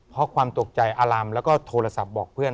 เพราะความตกใจอารำแล้วก็โทรศัพท์บอกเพื่อน